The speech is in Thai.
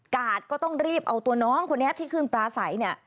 กาดก็ต้องรีบเอาตัวน้องคนนี้ที่ขึ้นปลาใสเนี่ย